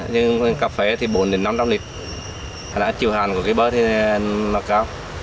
nhưng cà phê thì bốn năm trăm linh lít chịu hạn của cây bơ thì nó cao